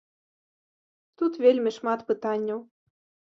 Тут вельмі шмат пытанняў.